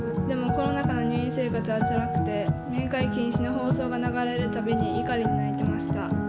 でもコロナ禍の入院生活はつらくて面会禁止の放送が流れる度に怒りに泣いてました。